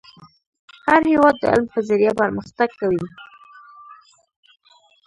هر هیواد د علم په ذریعه پرمختګ کوي .